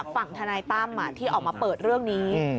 ฝั่งธนายตั้มที่ออกมาเปิดเรื่องนี้